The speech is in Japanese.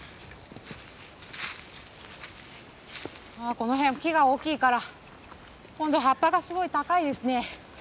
この辺木が大きいから今度葉っぱがすごい高いですね。